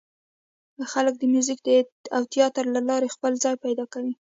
خلک د موزیک او تیاتر له لارې خپل ځای پیدا کوي.